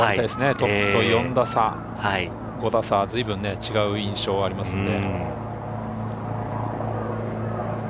トップと４打差と５打差はかなり違う印象がありますので。